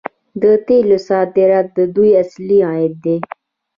د تیلو صادرات د دوی اصلي عاید دی.